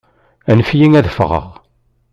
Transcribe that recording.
Anef-iyi ad ffɣeɣ!